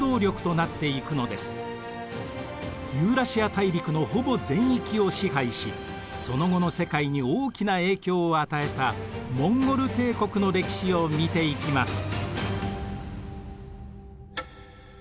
ユーラシア大陸のほぼ全域を支配しその後の世界に大きな影響を与えたモンゴル帝国の歴史を見ていきます。